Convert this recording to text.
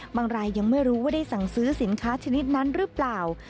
รายยังไม่รู้ว่าได้สั่งซื้อสินค้าชนิดนั้นหรือเปล่า